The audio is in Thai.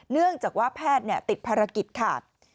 เนื่องจากว่าแพทย์ติดภารกิจค่ะ